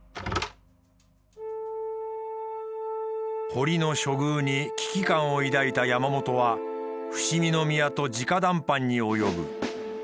堀の処遇に危機感を抱いた山本は伏見宮と直談判に及ぶ。